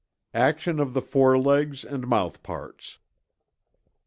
ACTION OF THE FORELEGS AND MOUTHPARTS.